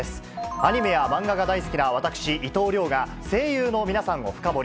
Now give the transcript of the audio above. アニメや漫画が大好きな私、伊藤遼が、声優の皆さんを深掘り。